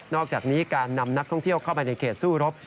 อกจากนี้การนำนักท่องเที่ยวเข้าไปในเขตสู้รบ